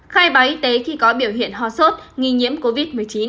khai báo y tế khi có biểu hiện ho sốt nghi nhiễm covid một mươi chín